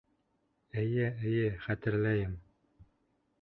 Эйе, эйе, хәтерләйем.